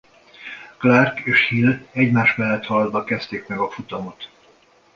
Clark és Hill egymás mellett haladva kezdték meg a futamot.